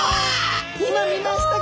今見ましたか？